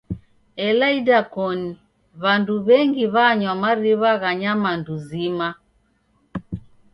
Ela idakoni w'andu w'engi w'anywa mariw'a gha nyamandu zima.